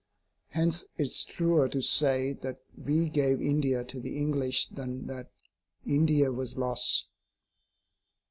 Hence it is truer to say that we gave India to the English than that India was lost.